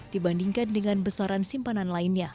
dibandingkan dengan besaran simpanan lainnya